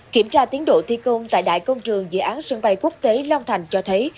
kiểm tra tiến độ thi công tại đại công trường dự án sân bay quốc tế long thành cho thấy